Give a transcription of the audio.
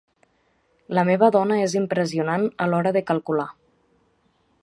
La meva dona és impressionant a l'hora de calcular